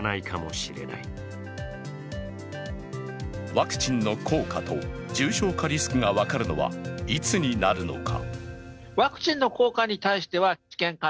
ワクチンの効果と重症化リスクが分かるのは、いつになるのか。